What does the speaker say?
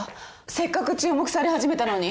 せっかく注目され始めたのに。